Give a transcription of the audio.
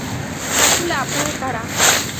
আসলে আপনারা কারা?